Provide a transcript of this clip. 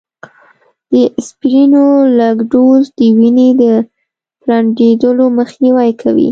د اسپرينو لږ ډوز، د وینې د پرنډېدلو مخنیوی کوي